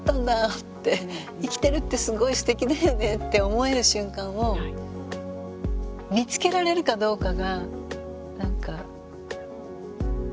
生きてるってすごいすてきだよねって思える瞬間を見つけられるかどうかがなんか何だろうな。